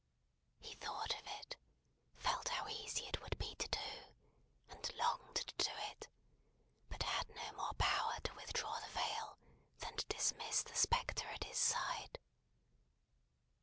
He thought of it, felt how easy it would be to do, and longed to do it; but had no more power to withdraw the veil than to dismiss the spectre at his side.